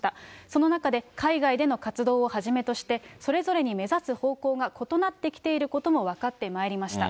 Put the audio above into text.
その中で、海外での活動をはじめとして、それぞれに目指す方向が異なってきていることも分かってまいりました。